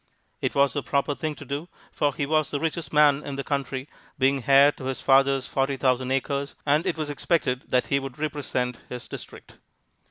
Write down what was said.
It was the proper thing to do, for he was the richest man in the county, being heir to his father's forty thousand acres, and it was expected that he would represent his district.